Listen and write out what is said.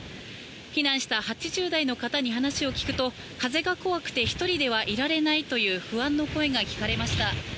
避難した８０代の方に話を聞くと風が怖くて１人ではいられないという不安の声が聞かれました。